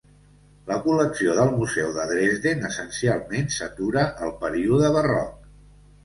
La col·lecció del museu de Dresden essencialment s'atura al període barroc.